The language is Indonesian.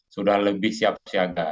sudah lebih siap siaga